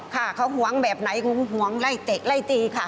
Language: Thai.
ค่ะเขาหวงแบบไหนคงหวงไล่เตะไล่ตีค่ะ